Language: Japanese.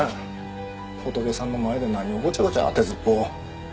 ホトケさんの前で何をごちゃごちゃ当てずっぽうを。